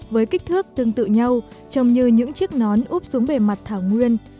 với kích thước tương tự nhau trồng như những chiếc nón úp xuống bề mặt thảo nguyên